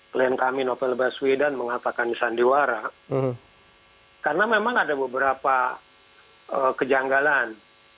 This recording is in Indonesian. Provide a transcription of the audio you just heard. klien kami novel baswedan mengatakan sandiwara karena memang ada beberapa kejanggalan